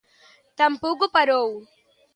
Tampouco parou.